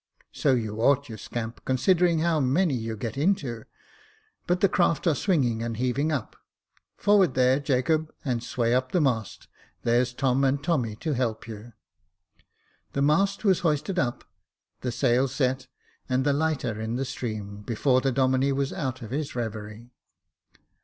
*' So you ought, you scamp, considering how many j'ou get into i but the craft are swinging and heaving up. lOO Jacob Faithful Forward there, Jacob, and sway up the mast ; there's Tom and Tommy to help you." The mast was hoisted up, the sail set, and the lighter in the stream, before the Domine was out of his reverie.